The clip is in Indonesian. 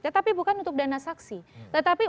tetapi bukan untuk dana saksi tetapi